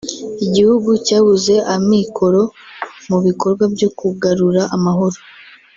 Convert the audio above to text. Igihugu cyabuze amikoro mu bikorwa byo kugarura amahoro